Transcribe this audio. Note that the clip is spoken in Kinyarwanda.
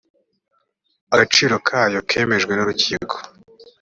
agaciro kayo kemejwe nurukiko.